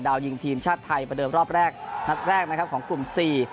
ยิงทีมชาติไทยประเดิมรอบแรกนัดแรกนะครับของกลุ่มสี่